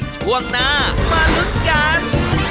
ช่วงหน้ามาลุ้นกัน